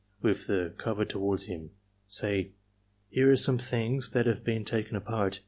with the cover toward him. Say, "Here are some things that have been taken apart.